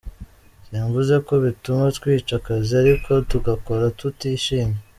Simvuze ko bituma twica akazi ariko tugakora tutishimye.